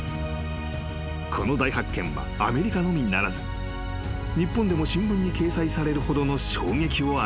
［この大発見はアメリカのみならず日本でも新聞に掲載されるほどの衝撃を与えた］